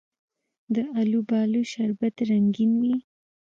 د الوبالو شربت رنګین وي.